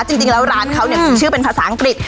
จริงแล้วร้านเขาเนี่ยชื่อเป็นภาษาอังกฤษ